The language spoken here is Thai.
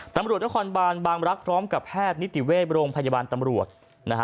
ตำรวจนครบานบางรักษ์พร้อมกับแพทย์นิติเวชโรงพยาบาลตำรวจนะฮะ